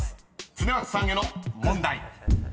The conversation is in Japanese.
［恒松さんへの問題］